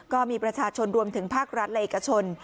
ก็มีประชาชนรวมถึงภาครัฐและเอกชน